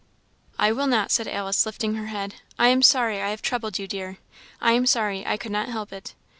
"I will not," said Alice, lifting her head; "I am sorry I have troubled you, dear; I am sorry, I could not help it."